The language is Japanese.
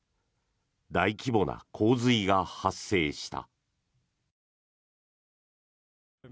大規模な洪水が発生した。